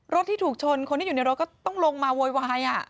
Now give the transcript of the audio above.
ที่ถูกชนคนที่อยู่ในรถก็ต้องลงมาโวยวาย